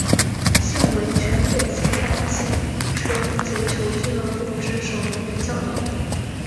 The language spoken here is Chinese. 现为全北现代汽车足球俱乐部之守门员教练。